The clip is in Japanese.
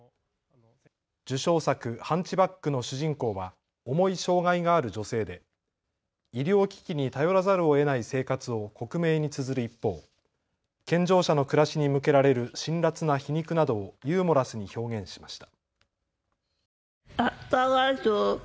受賞作、ハンチバックの主人公は重い障害がある女性で医療機器に頼らざるをえない生活を克明につづる一方、健常者の暮らしに向けられる辛辣な皮肉などをユーモラスに表現しました。